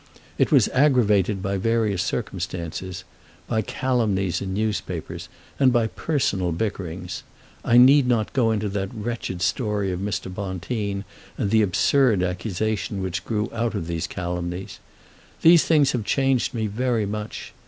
It was aggravated by various circumstances, by calumnies in newspapers, and by personal bickerings. I need not go into that wretched story of Mr. Bonteen, and the absurd accusation which grew out of those calumnies. These things have changed me very much.